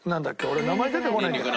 俺名前出てこないんだよ。